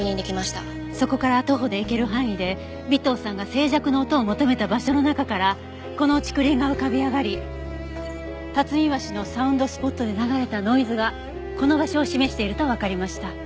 そこから徒歩で行ける範囲で尾藤さんが静寂の音を求めた場所の中からこの竹林が浮かび上がり巽橋のサウンドスポットで流れたノイズがこの場所を示しているとわかりました。